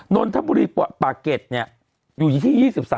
น้นทะบุรีป่าเก็ตเนี่ยอยู่ที่๒๓๖